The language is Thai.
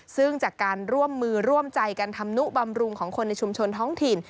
ซึ่งจากการร่วมมือร่วมใจกันทำนุบำรุงของคนในชุมชนท้องถิ่น